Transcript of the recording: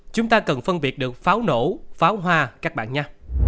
chúng ta cần phân biệt được pháo nổ pháo hoa các bạn nha